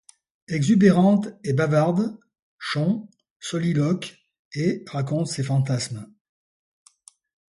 Exubérante et bavarde, Chon soliloque et raconte ses fantasmes...